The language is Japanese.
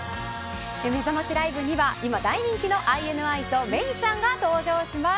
めざましライブには今大人気のＩＮＩとめいちゃんが登場します。